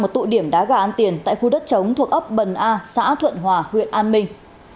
một tụ điểm đá gà ăn tiền tại khu đất chống thuộc ấp bần a xã thuận hòa huyện an minh